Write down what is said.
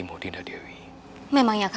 julisan sejauh ini tidak munculkan